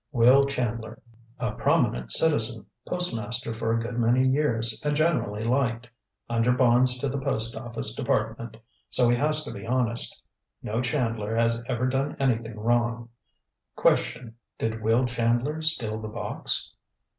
Will Chandler. A prominent citizen, postmaster for a good many years and generally liked. Under bonds to the post office department, so he has to be honest. No Chandler has ever done anything wrong. "Question: Did Will Chandler steal the box?